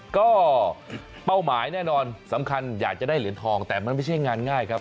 ก็เป้าหมายแน่นอนสำคัญอยากจะได้เหรียญทองแต่มันไม่ใช่งานง่ายครับ